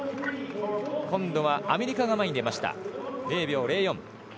今度はアメリカが前に出ました。